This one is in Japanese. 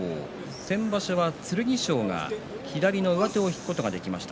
先場所は剣翔が左の上手を引くことができました。